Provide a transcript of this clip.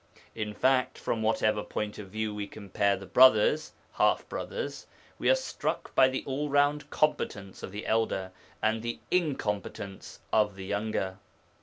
In fact, from whatever point of view we compare the brothers (half brothers), we are struck by the all round competence of the elder and the incompetence of the younger.